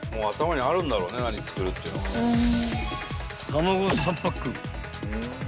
［卵３パック］